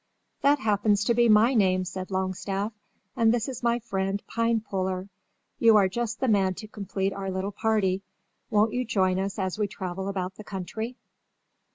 "That happens to be my name," said Longstaff, "and this is my friend Pinepuller. You are just the man to complete our little party. Won't you join us as we travel about the country?"